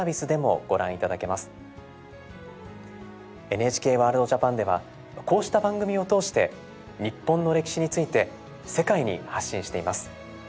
「ＮＨＫワールドＪＡＰＡＮ」ではこうした番組を通して日本の歴史について世界に発信しています。